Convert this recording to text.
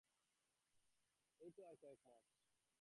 এইতো আর কয়েক পা করে এগিয়ে আসো।